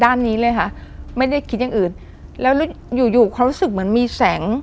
นี้เลยค่ะไม่ได้คิดอย่างอื่นแล้วอยู่อยู่เขารู้สึกเหมือนมีแสง